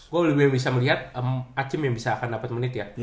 gue lebih bisa melihat acim yang bisa akan dapat menit ya